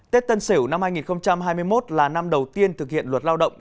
tết tân sửu năm hai nghìn hai mươi một là năm đầu tiên thực hiện luật lao động